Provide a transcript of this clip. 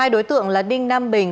hai đối tượng là đinh nam bình